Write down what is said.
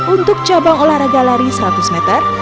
untuk cabang olahraga lari seratus meter